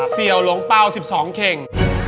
เซียวโรงเปล่า๑๒เค่ง